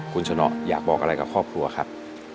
คุณชนะอยากบอกอะไรกับครอบครัวครับ